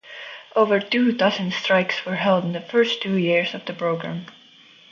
Over two dozen strikes were held in the first two years of the program.